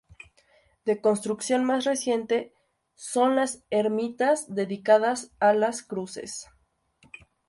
De construcción más reciente son las ermitas dedicadas a las cruces.